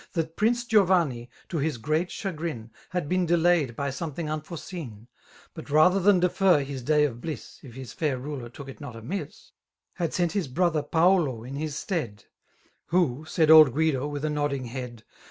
That Prince Giovanni, to his great <diBgiin, Had been delayed by something unforeseen; But rather than defer his day of bliss (If his fair ruler took it not amiss) Had sent his brother Paulo in his stead; Who/' said old Guido, with a nodding head.